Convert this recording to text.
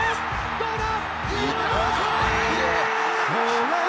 どうだ！